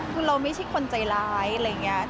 คือเราไม่ใช่คนใจร้ายอะไรอย่างนี้